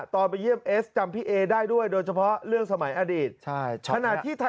ไปเยี่ยมเอสจำพี่เอได้ด้วยโดยเฉพาะเรื่องสมัยอดีต